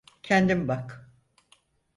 Kendin bak.